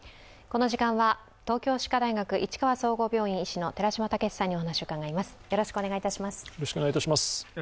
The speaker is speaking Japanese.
この時間は東京歯科大学市川総合病院医師の寺嶋毅さんにお話を伺います。